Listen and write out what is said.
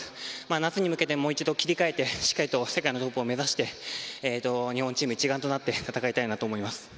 夏に向けて、もう一度切り替えてしっかりと世界のトップを目指し日本チーム一丸となって戦いたいと思います。